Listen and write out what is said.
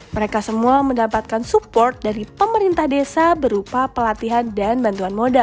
mereka semua mendapatkan support dari pemerintah desa berupa pelatihan dan bantuan modal